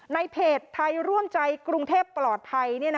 ในเพจไทยร่วมใจกรุงเทพปลอดภัย